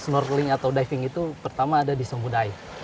snorkeling atau diving itu pertama ada di sombudai